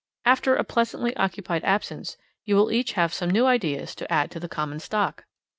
After a pleasantly occupied absence, you will each have some new ideas to add to the common stock.